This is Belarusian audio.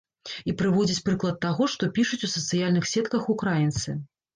І прыводзіць прыклад таго, што пішуць у сацыяльных сетках украінцы.